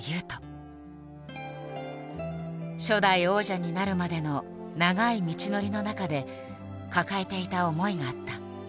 初代王者になるまでの長い道のりの中で抱えていた思いがあった。